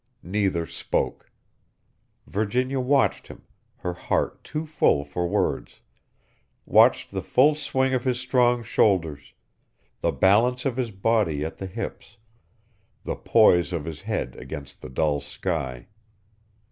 Neither spoke. Virginia watched him, her heart too full for words; watched the full swing of his strong shoulders, the balance of his body at the hips, the poise of his head against the dull sky.